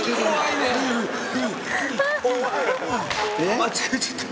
間違えちゃった。